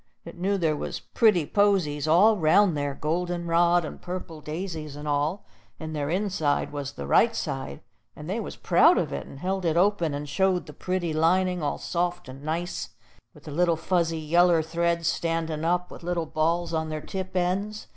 It knew there was pretty posies all 'round there, golden rod and purple daisies and all; and their inside was the right side, and they was proud of it, and held it open, and showed the pretty lining, all soft and nice with the little fuzzy yeller threads standin' up, with little balls on their tip ends.